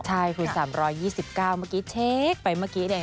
ใช่คือ๓๒๙เมื่อกี้เช็คไปเมื่อกี้เนี่ย